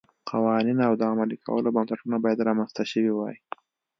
قوانین او د عملي کولو بنسټونه باید رامنځته شوي وای.